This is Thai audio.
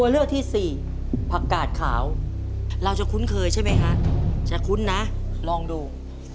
เราจะคุ้นเคยใช่ไหมฮะจะคุ้นนะลองดู